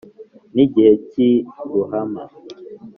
n' igihe cy' i ruhama,